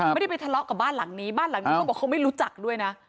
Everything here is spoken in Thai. ไม่ได้ไปทะเลาะกับบ้านหลังนี้บ้านหลังนี้เขาบอกเขาไม่รู้จักด้วยนะ